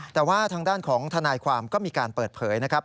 แต่ว่าทางด้านของทนายความก็มีการเปิดเผยนะครับ